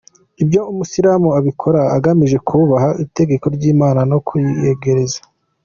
Ibyo umusilamu abikora agamije kubaha itegeko ry’Imana no kuyiyegereza.